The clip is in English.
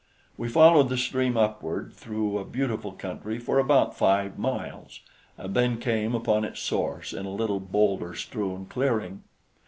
We followed the stream upward through a beautiful country for about five miles, and then came upon its source in a little boulder strewn clearing.